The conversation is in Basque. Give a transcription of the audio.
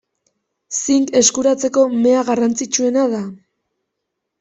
Zink eskuratzeko mea garrantzitsuena da.